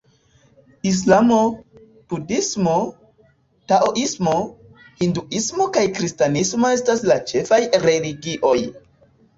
Islamo, Budhismo, Taoismo, Hinduismo kaj Kristanismo estas la ĉefaj religioj.